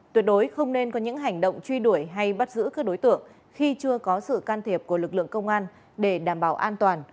tuyệt đối không nên có những hành động truy đuổi hay bắt giữ các đối tượng khi chưa có sự can thiệp của lực lượng công an để đảm bảo an toàn